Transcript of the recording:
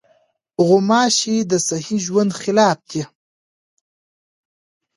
غوماشې د صحي ژوند خلاف دي.